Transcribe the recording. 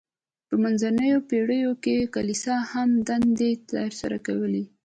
په منځنیو پیړیو کې کلیسا هغه دندې تر سره کولې.